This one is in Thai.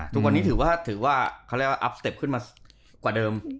ทุกวันนี้ถือว่าอัพสเต็ปขึ้นมากว่าเดิม